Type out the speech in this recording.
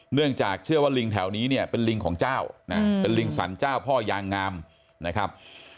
เนื่องจากเชื่อว่าลิงแถวนี้เนี่ยเป็นลิงของเจ้านะเป็นลิงสรรเจ้าพ่อยางงามนะครับ